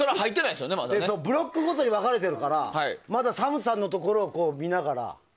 ブロックごとに分かれてるからまだＳＡＭさんのところを見ながら。